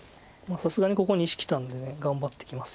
さすがにここに石きたんで頑張ってきますよね。